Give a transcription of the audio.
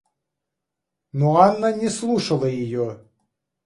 Но Анна не слушала ее.